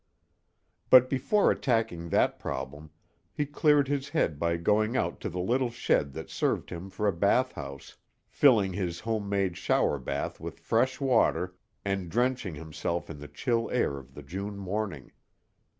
But before attacking that problem, he cleared his head by going out to the little shed that served him for a bath house, filling his home made shower bath with fresh water and drenching himself in the chill air of the June morning.